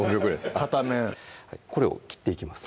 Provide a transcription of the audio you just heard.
片面これを切っていきます